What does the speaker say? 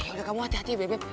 yaudah kamu hati hati ya bebep